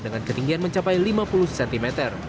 dengan ketinggian mencapai lima puluh cm